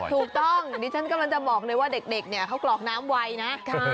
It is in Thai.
ถูกต้องดิฉันกำลังจะบอกเลยว่าเด็กเนี่ยเขากรอกน้ำไวนะ